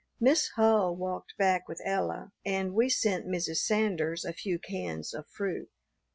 Miss Hull walked back with Ella, and we sent Mrs. Sanders a few cans of fruit.